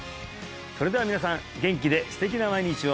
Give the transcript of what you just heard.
それでは皆さん元気で素敵な毎日を！